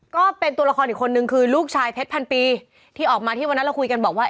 ก็เป็นตัวละครอีกคนนึงคือลูกชายเพชรพันปีที่ออกมาที่วันนั้นเราคุยกันบอกว่า